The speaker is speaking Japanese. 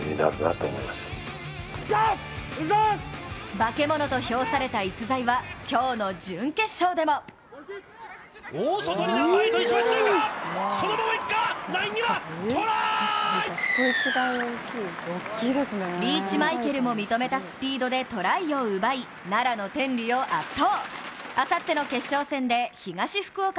化け物と評された逸材は今日の準決勝でもリーチマイケルも認めたスピードでトライを奪い奈良の天理を圧倒。